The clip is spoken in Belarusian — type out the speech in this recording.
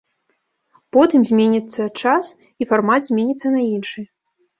Потым зменіцца час, і фармат зменіцца на іншы.